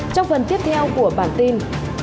trong phần tiếp theo của bản tin